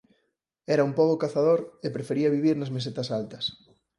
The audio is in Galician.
Era un pobo cazador e prefería vivir nas mesetas altas.